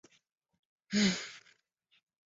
叙伊兹河畔维利耶尔。